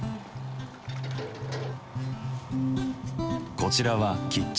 こちらはキッチンカー。